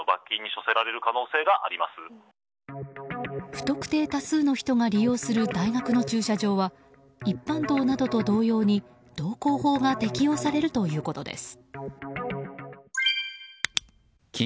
不特定多数の人が利用する大学の駐車場は一般道などと同様に、道交法が適用されるということです。